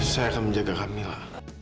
saya akan menjaga kak mila